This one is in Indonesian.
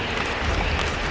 saat mereka memasuki padang pasir